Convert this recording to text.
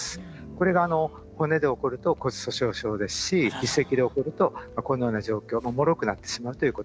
これが骨で起こると骨粗しょう症ですし耳石で起こるとこのような状況もろくなってしまうということです。